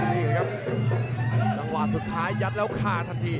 นี่ครับจังหวะสุดท้ายยัดแล้วคาทันที